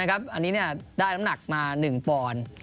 อันนี้เนี่ยได้น้ำหนักมา๑ปอน